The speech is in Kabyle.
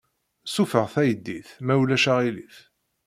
Ssuffeɣ taydit, ma ulac aɣilif.